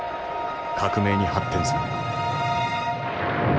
革命に発展する。